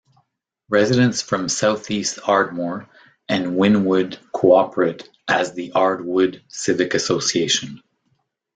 Residents from South East Ardmore and Wynnewood cooperate as the ArdWood Civic Association.